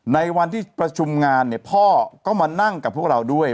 ในวันที่ประชุมงานเนี่ยพ่อก็มานั่งกับพวกเราด้วย